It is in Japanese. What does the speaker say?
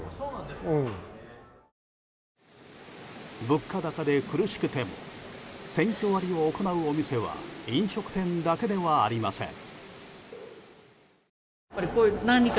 物価高で苦しくても選挙割を行うお店は飲食店だけではありません。